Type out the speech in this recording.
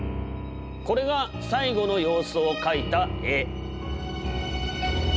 これが最期の様子を描いた絵。